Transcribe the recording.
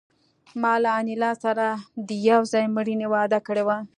ما له انیلا سره د یو ځای مړینې وعده کړې وه